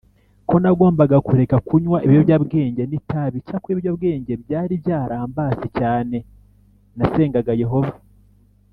ko nagombaga kureka kunywa ibiyobyabwenge n itabi Icyakora ibiyobyabwenge byari byarambase cyane Nasengaga Yehova